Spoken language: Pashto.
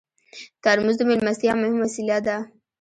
ترموز د میلمستیا مهم وسیله ده.